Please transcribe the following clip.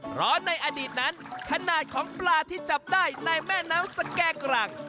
เพราะในอดีตนั้นขนาดของปลาที่จับได้ในแม่น้ำสแก่กรัง